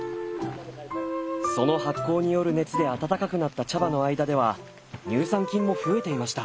その発酵による熱で温かくなった茶葉の間では乳酸菌も増えていました。